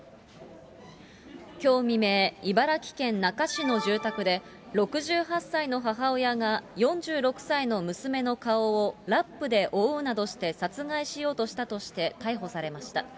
きょう未明、茨城県那珂市の住宅で６８歳の母親が４６歳の娘の顔をラップで覆うなどして殺害しようとしたとして、逮捕されました。